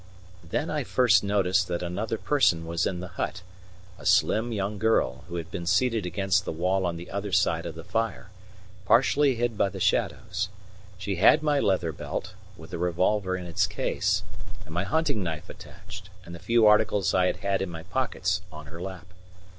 Then I first noticed that another person was in the hut, a slim young girl, who had been seated against the wall on the other side of the fire, partially hid by the shadows. She had my leather belt, with the revolver in its case, and my hunting knife attached, and the few articles I had had in my pockets, on her lap.